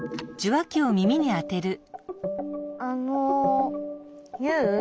あのユウ？